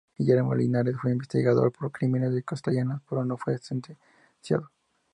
Guillermo Linares fue investigado por los crímenes de Castaños, pero no fue sentenciado.